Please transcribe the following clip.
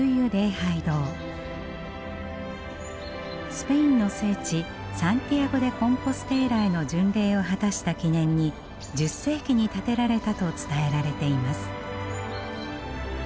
スペインの聖地サンティアゴ・デ・コンポステーラへの巡礼を果たした記念に１０世紀に建てられたと伝えられています。